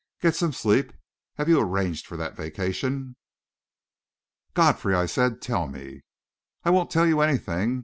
Get some sleep. Have you arranged for that vacation?" "Godfrey," I said, "tell me...." "I won't tell you anything.